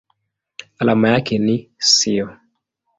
Alama yake ni SiO.